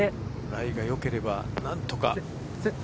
ライが良ければ何とか。